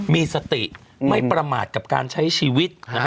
มีสติไม่ประมาทกับการใช้ชีวิต